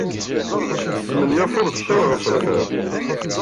Tesmenyafeḍ ccer ɣef lxir.